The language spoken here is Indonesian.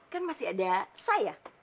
kan masih ada saya